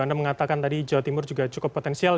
anda mengatakan tadi jawa timur juga cukup potensial